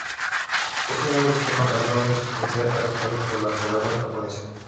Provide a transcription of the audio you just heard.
Este nuevo sistema tardó años en ser aceptado por la población japonesa.